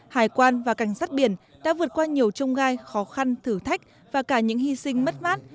hải quan và cảnh sát biển đã vượt qua nhiều trung gai khó khăn thử thách và cả những hy sinh mất mát